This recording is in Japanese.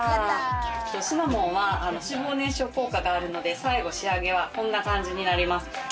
シナモンは脂肪燃焼効果があるので、最後仕上げはこんな感じになります。